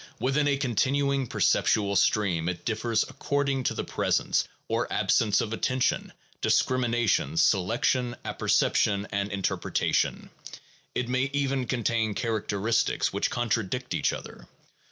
Within a continuing perceptual stream it differs according to the presence or absence of attention, discrimination, selection, apperception, and interpretation; it may even contain characteristics which contradict each other.